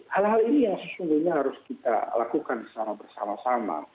hal hal ini yang sesungguhnya harus kita lakukan secara bersama sama